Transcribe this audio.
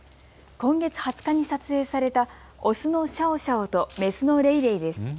今月２０日に撮影された雄のシャオシャオと雌のレイレイです。